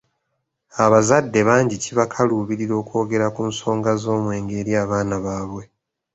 Abazadde bangi kibakaluubirira okwogera ku nsonga z’omwenge eri abaana baabwe.